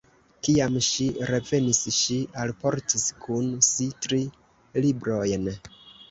Kiam ŝi revenis, ŝi alportis kun si tri librojn.